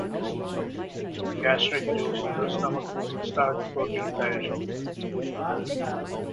Gastric juice in the stomach starts protein digestion.